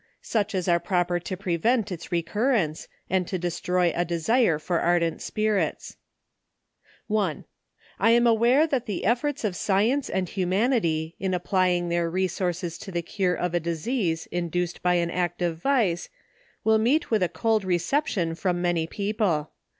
Such as are proper to prevent its recurrence, and to destroy a desire for ardent spirits. ARDENT SPIRITS. 23 I. I am aware that the efforts of seicnce and humanity, in applying their resources to the cure of a disease in duced by an act of vice, will meet with a cold reception from many people.